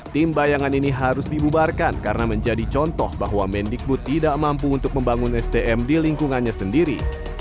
tim bayangan ini harus dibubarkan karena menjadi contoh bahwa mendikbud tidak mampu untuk membangun sdm di lingkungannya sendiri